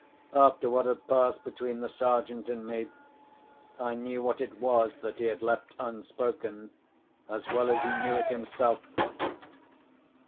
After what had passed between the Sergeant and me, I knew what it was that he had left unspoken as well as he knew it himself.